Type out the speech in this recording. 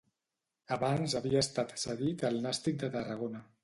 Abans havia estat cedit al Nàstic de Tarragona.